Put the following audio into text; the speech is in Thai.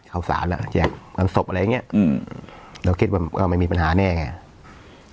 เข้าสารอ่ะแจ๊กงานศพอะไรอย่างเงี้ยอืมเราคิดว่าก็ไม่มีปัญหาแน่ไง